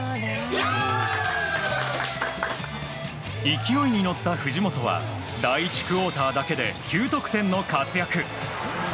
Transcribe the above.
勢いに乗った藤本は第１クオーターだけで９得点の活躍。